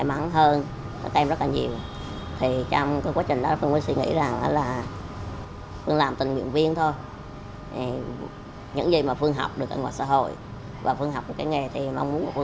anh nguyễn ngọc phương là một tình nguyện viên thường xuyên tham gia công tác xã hội bản thân lại là nạn nhân chất độc da cam